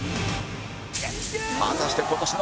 果たして今年の